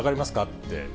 って。